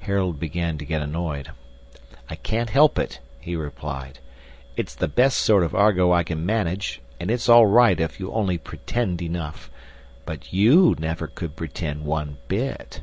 Harold began to get annoyed. "I can't help it," he replied. "It's the best sort of Argo I can manage, and it's all right if you only pretend enough; but YOU never could pretend one bit."